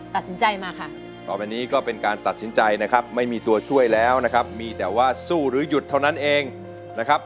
ตัดสินใจมาค่ะต่อไปนี้ก็เป็นการตัดสินใจนะครับไม่มีตัวช่วยแล้วนะครับมีแต่ว่าสู้หรือหยุดเท่านั้นเองนะครับ